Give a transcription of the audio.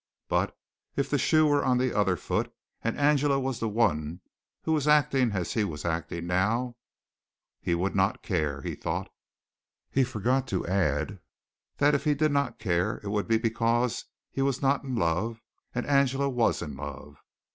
But, if the shoe were on the other foot, and Angela was the one who was acting as he was acting now he would not care, he thought. He forgot to add that if he did not care it would be because he was not in love, and Angela was in love.